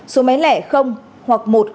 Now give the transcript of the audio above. số máy lẻ hoặc một trăm linh